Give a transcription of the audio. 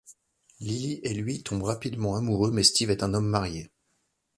Lily et lui tombe rapidement amoureux mais Steve est un homme marié.